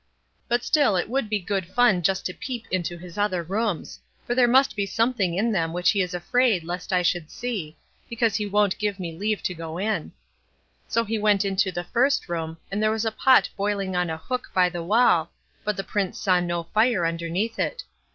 "But still it would be good fun just to peep into his other rooms, for there must be something in them which he is afraid lest I should see, since he won't give me leave to go in." So he went into the first room, and there was a pot boiling on a hook by the wall, but the Prince saw no fire underneath it.